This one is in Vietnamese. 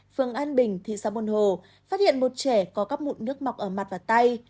phường an bình thị xã buôn hồ phát hiện một trẻ có các mụn nước mọc ở mặt và tay